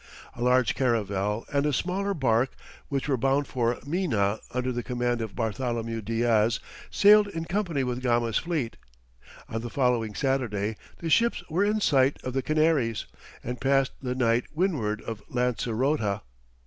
A large caravel and a smaller barque, which were bound for Mina under the command of Bartholomew Diaz, sailed in company with Gama's fleet. On the following Saturday, the ships were in sight of the Canaries, and passed the night windward of Lancerota.